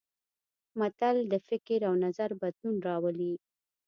متل د فکر او نظر بدلون راولي